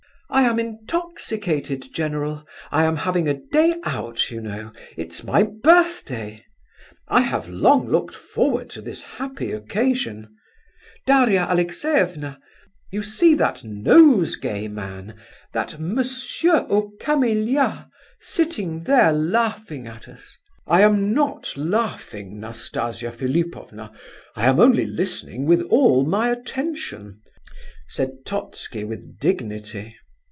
"I am intoxicated, general. I am having a day out, you know—it's my birthday! I have long looked forward to this happy occasion. Daria Alexeyevna, you see that nosegay man, that Monsieur aux Camelias, sitting there laughing at us?" "I am not laughing, Nastasia Philipovna; I am only listening with all my attention," said Totski, with dignity.